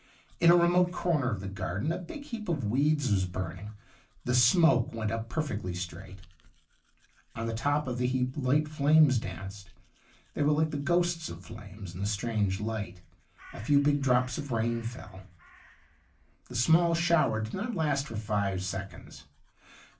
In a remote corner of the garden a big heap of weeds was burning ; the smoke went up perfectly straight. On the top of the heap light flames danced ; they were like the ghosts of flames in the strange light. A few big drops of rain fell. The snaall shower did not last for five seconds.